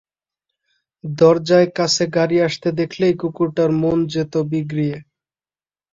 দরজায় কাছে গাড়ি আসতে দেখলেই কুকুরটার মন যেত বিগড়িয়ে।